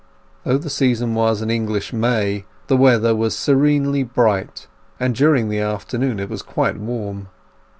Though the season was an English May, the weather was serenely bright, and during the afternoon it was quite warm.